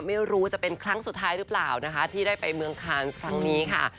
ไม่รู้จะเป็นครั้งสุดท้ายหรือเปล่านะคะที่ได้ไปเมืองคานครั้งนี้ค่ะ